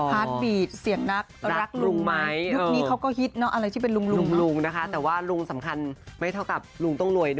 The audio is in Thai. ไม่รู้เหมือนกันก็ยังไม่รู้